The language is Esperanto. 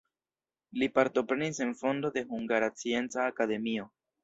Li partoprenis en fondo de Hungara Scienca Akademio.